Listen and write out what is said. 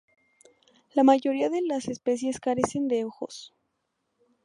La mayoría de las especies carecen de ojos.